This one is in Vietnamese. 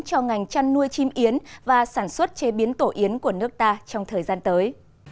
cho ngành chăn nuôi chim yến và sản xuất chế biến tổ yến của nước ta trong thời gian tới